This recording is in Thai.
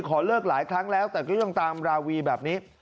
ขอเลิกหลายครั้งแล้วแต่ก็ยังตามราวีแบบนี้